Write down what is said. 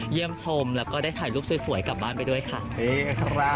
เยี่ยมชมแล้วก็ได้ถ่ายรูปสวยกลับบ้านไปด้วยค่ะ